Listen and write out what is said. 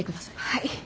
はい。